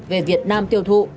về việt nam tiêu thụ